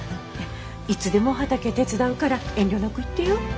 いつでも畑手伝うから遠慮なく言ってよ。